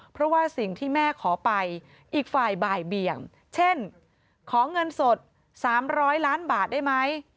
เพราะว่าสิ่งที่แม่ขอไปอีกฝ่ายบ่ายเบี่ยงเช่นขอเงินสด๓๐๐ล้านบาทได้ไหม